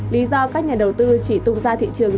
lý do các nhà đầu tư chỉ tung ra thị trường